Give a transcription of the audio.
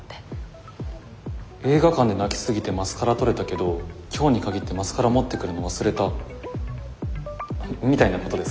映画館で泣き過ぎてマスカラ取れたけど今日に限ってマスカラ持ってくるの忘れたみたいなことですか？